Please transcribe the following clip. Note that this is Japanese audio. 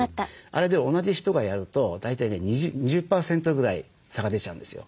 あれで同じ人がやると大体２０％ぐらい差が出ちゃうんですよ。